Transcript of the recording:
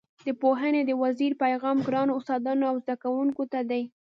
د پوهنې د وزیر پیغام ګرانو استادانو او زده کوونکو ته دی.